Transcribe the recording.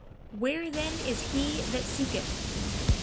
Where then is he that seeketh?'